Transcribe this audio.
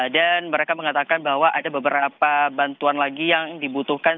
dan mereka mengatakan bahwa ada beberapa bantuan lagi yang dibutuhkan